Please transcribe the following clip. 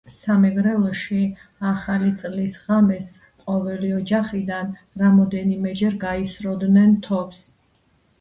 სამეგრელოში, ახალი წლის ღამეს ყოველი ოჯახიდან რამოდენიმეჯერ გაისროდნენ თოფს